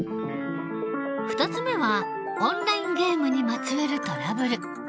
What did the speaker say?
２つ目はオンラインゲームにまつわるトラブル。